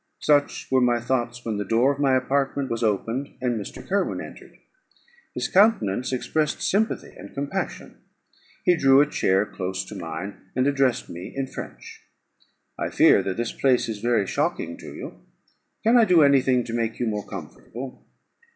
Such were my thoughts, when the door of my apartment was opened, and Mr. Kirwin entered. His countenance expressed sympathy and compassion; he drew a chair close to mine, and addressed me in French "I fear that this place is very shocking to you; can I do any thing to make you more comfortable?"